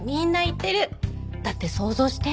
だって想像して。